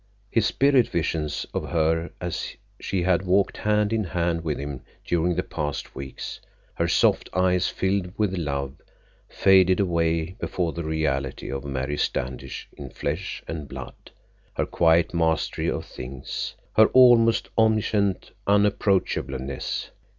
His spirit visions of her as she had walked hand in hand with him during the past weeks, her soft eyes filled with love, faded away before the reality of Mary Standish in flesh and blood, her quiet mastery of things, her almost omniscient unapproachableness.